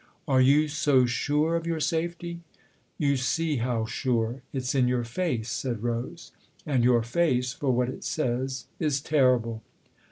" Are yon so sure of your safety ?"" You see how sure. It's in your face," said Rose. " And your face for what it says is terrible."